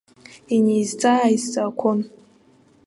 Инеизҵаа-ааизҵаақәон.